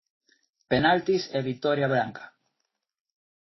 Penaltis e vitoria branca.